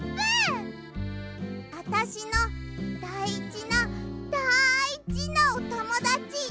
あたしのだいじなだいじなおともだち。